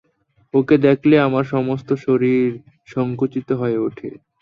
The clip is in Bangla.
ওকে দেখলে আমার সমস্ত শরীর সংকুচিত হয়ে ওঠে।